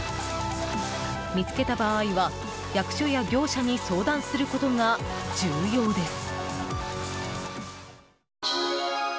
見つけた場合は、役所や業者に相談することが重要です。